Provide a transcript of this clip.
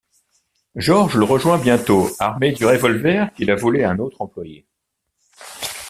George le rejoint bientôt, armé du revolver qu'il a volé à un autre employé.